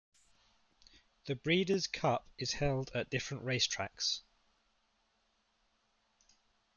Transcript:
The Breeders' Cup is held at different racetracks.